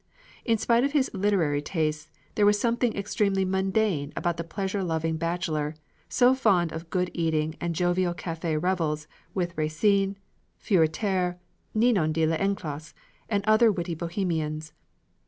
In spite of his literary tastes, there was something extremely mundane about the pleasure loving bachelor, so fond of good eating and of jovial café revels with Racine, Furetière, Ninon de L'Enclos, and other witty Bohemians.